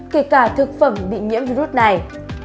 kể cả thực phẩm bị nhiễm virus này